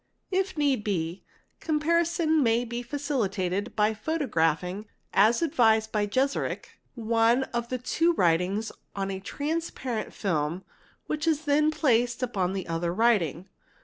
If need be, comparison may be facili tated by photographing (as advised by Jeserich) one of the two writings on a transparent film which is then placed upon the other writing.